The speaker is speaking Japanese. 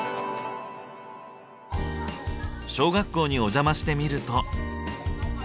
小学校にお邪魔してみると。